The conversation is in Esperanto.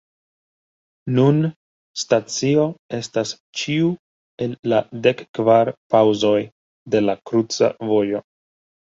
Nun stacio estas ĉiu el la dekkvar paŭzoj de la kruca vojo.